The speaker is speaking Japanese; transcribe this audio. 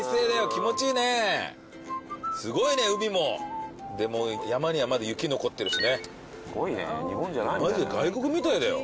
気持ちいいねすごいね海もでも山にはまだ雪残ってるしねすごいね日本じゃないみたいだよマジで外国みたいだよ